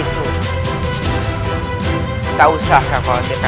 berikut adalah obat obatan kita berdua